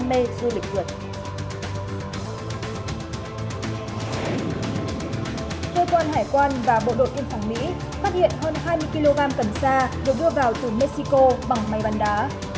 phát hiện hơn hai mươi kg cầm xa được đưa vào từ mexico bằng máy bắn đá